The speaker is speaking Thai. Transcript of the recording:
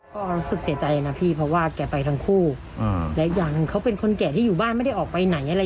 ก็รู้สึกเสียใจนะพี่เพราะว่าแกไปทั้งคู่และอย่างหนึ่งเขาเป็นคนแก่ที่อยู่บ้านไม่ได้ออกไปไหนอะไร